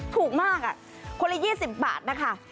ถูกมากคนละ๒๐บาทนะคะ